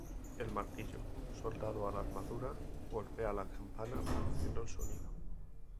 El martillo, soldado a la armadura, golpea la campana produciendo el sonido.